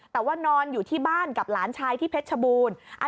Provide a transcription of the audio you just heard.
แต่ว่านอนอยู่ที่บ้านกับหลานชายที่เพชรชบูรณ์